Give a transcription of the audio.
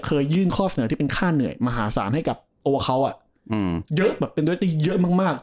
ยื่นข้อเสนอที่เป็นค่าเหนื่อยมหาศาลให้กับตัวเขาเยอะแบบเป็นเรื่องที่เยอะมาก